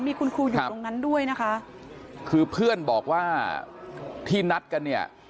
มีคุณครูอยู่ตรงนั้นด้วยนะคะคือเพื่อนบอกว่าที่นัดกันเนี่ย